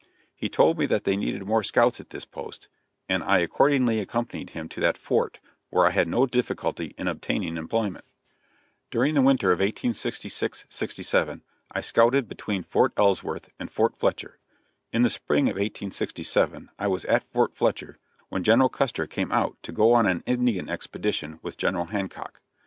He told me that they needed more scouts at this post, and I accordingly accompanied him to that fort, where I had no difficulty in obtaining employment. During the winter of 1866 67, I scouted between Fort Ellsworth and Fort Fletcher. In the spring of 1867 I was at Fort Fletcher, when General Custer came out to go on an Indian expedition with General Hancock.